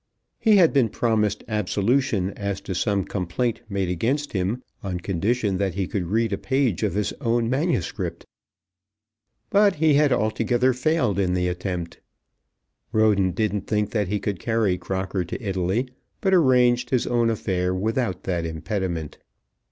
He had been promised absolution as to some complaint made against him on condition that he could read a page of his own manuscript. But he had altogether failed in the attempt. Roden didn't think that he could carry Crocker to Italy, but arranged his own affair without that impediment.